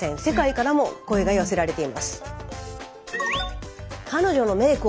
世界からも声が寄せられています。